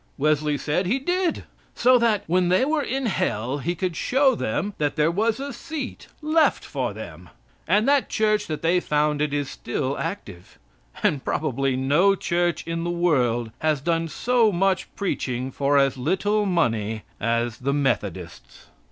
Wesley said He did. So that, when they were in hell, he could show them that there was a seat left for them. And that Church that they founded is still active. And probably no Church in the world has done so much preaching for as little money as the Methodists.